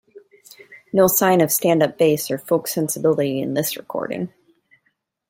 No sign of stand-up bass or folk sensibility on this recording.